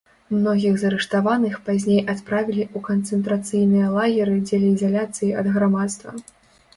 Многіх з арыштаваных пазней адправілі ў канцэнтрацыйныя лагеры дзеля ізаляцыі ад грамадства.